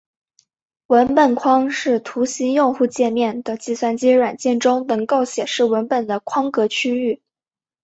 文本框是图形用户界面的计算机软件中能够显示文本的框格区域。